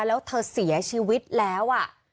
แล้วเธอเสียชีวิตแล้ว